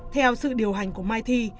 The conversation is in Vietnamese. theo sự điều hành của mai thi